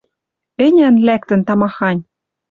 Ӹнян лӓктӹн тамахань: